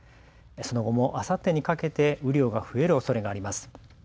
その後もあさってにかけて雨量が増えるおそれがあります。